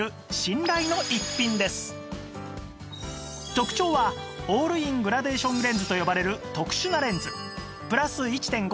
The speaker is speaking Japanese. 特長はオールイングラデーションレンズと呼ばれる特殊なレンズ